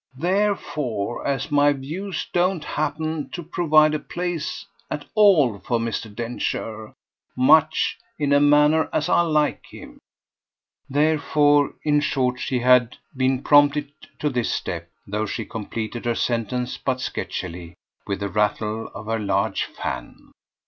Therefore as my views don't happen to provide a place at all for Mr. Densher, much, in a manner, as I like him" therefore in short she had been prompted to this step, though she completed her sense, but sketchily, with the rattle of her large fan.